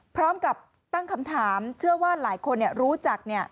พร้อมกับตั้งคำถามเชื่อว่าหลายคนรู้จัก